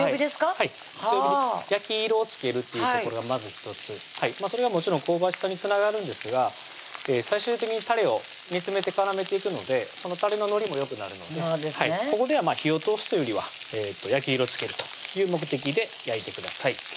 はい焼き色をつけるっていうところがまず１つそれがもちろん香ばしさにつながるんですが最終的にたれを煮詰めて絡めていくのでそのたれの乗りもよくなるのでここでは火を通すというよりは焼き色つけるという目的で焼いてください